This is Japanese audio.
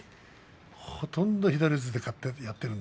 ほとんど左四つでやっているん